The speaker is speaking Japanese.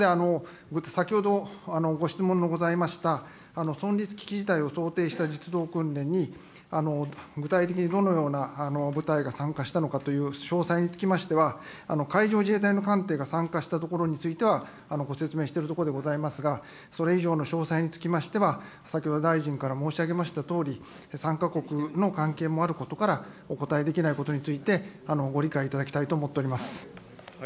他方で、先ほど、ご質問のございました、存立危機事態を想定した実動訓練に、具体的にどのような部隊が参加したのかという詳細につきましては、海上自衛隊の艦艇が参加したところについては、ご説明しているところでございますが、それ以上の詳細につきましては、先ほど大臣から申し上げましたとおり、参加国の関係もあることから、お答えできないことについて、ご理解いただきたいと思っております。